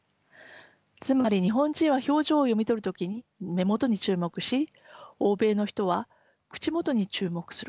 つまり日本人は表情を読み取る時に目元に注目し欧米の人は口元に注目する。